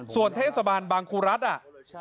ส่วนเทศบาลบางครูรัฐอ่ะ